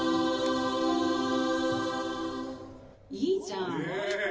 いいじゃん。